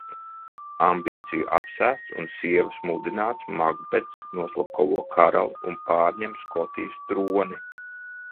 Ambīciju apsēsts un sievas mudināts Makbets noslepkavo karali un pārņem Skotijas troni.